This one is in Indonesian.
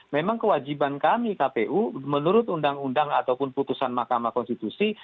memang kewajiban kami kpu menurut undang undang ataupun putusan mahkamah konstitusi